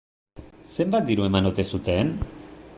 Zenbat diru eman ote zuten?